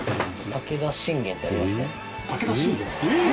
武田信玄ってありますね。